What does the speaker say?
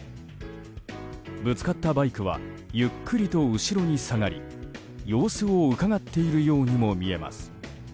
ぶつかったバイクはゆっくりと後ろに下がり様子をうかがっているようにも見えます。